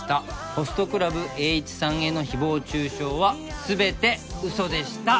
「ホストクラブ・エーイチさんへの誹謗中傷は全てウソでした」